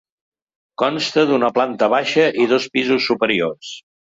Consta d'una planta baixa i dos pisos superiors.